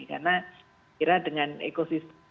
karena kira dengan ekosistem